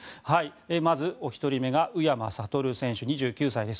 まずお一人目が宇山賢選手、２９歳です。